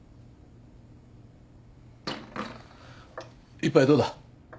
一杯どうだ。